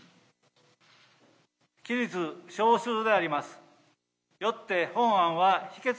起立少数であります。